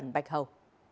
vi khuẩn bệnh hầu